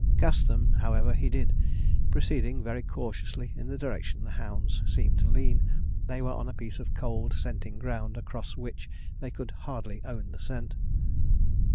Cast them, however, he did, proceeding very cautiously in the direction the hounds seemed to lean. They were on a piece of cold scenting ground, across which they could hardly own the scent.